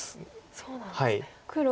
そうなんですね。